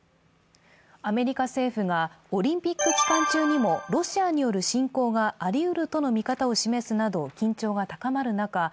アメリカ政府がオリンピック期間中にもロシアによる侵攻がありうるとの見方を示すなど緊張が高まる中